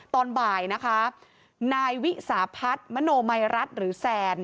ตอนบ่ายนะคะนายวิสาพัฒน์มโนมัยรัฐหรือแซน